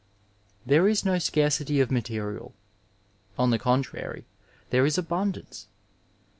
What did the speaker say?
There is no scarcity of material; on the contrary, there is abundance.